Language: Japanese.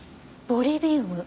ボリビウム？